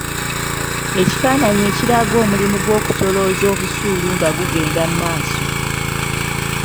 Ekifaananyi ekiraga omulimu gw’okusolooza busuulu nga gugenda mu maaso.